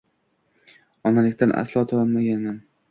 Onalikdan aslo tonmagan